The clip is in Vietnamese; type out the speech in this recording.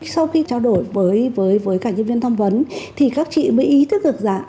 sau khi trao đổi với cả nhân viên tham vấn thì các chị mới ý thức được rằng